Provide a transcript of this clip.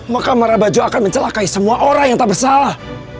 maka marabaju akan mencelakai semua orang yang tak bersalah